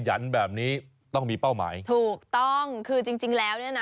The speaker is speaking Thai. ยันแบบนี้ต้องมีเป้าหมายถูกต้องคือจริงจริงแล้วเนี่ยนะ